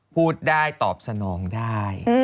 พูดได้ตอบสนองได้